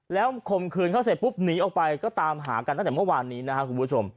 แล้วข่มขืนเขาเสร็จปุ๊บหนีออกไปก็ตามหากันตั้งแต่เมื่อวานนี้นะครับคุณผู้ชม